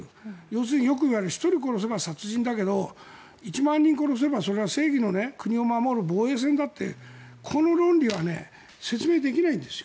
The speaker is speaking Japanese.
要するによく言われる１人殺せば殺人だけど１万人殺せば、正義の国を守る防衛戦だとこの論理は説明できないんです。